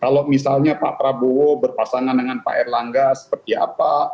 kalau misalnya pak prabowo berpasangan dengan pak erlangga seperti apa